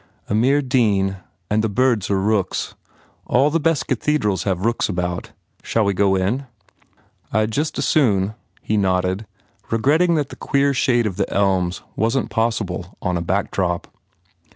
"A mere dean. And the birds are rooks. All the best cathedrals have rooks about. Shall we go in?" "I d just as soon," he nodded, regretting that the queer shade of the elms wasn t possible on a backdrop.